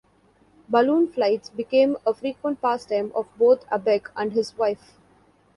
Balloon flights became a frequent pastime of both Abegg and his wife.